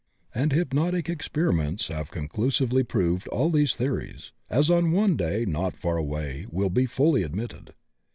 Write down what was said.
And hypnotic experiments have conclusively proved all these theo ries, as on one day not far away will be fully admitted.